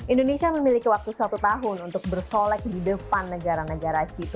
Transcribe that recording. indonesia memiliki waktu satu tahun untuk bersolek di depan negara negara g dua puluh